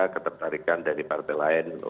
ketertarikan dari partai lain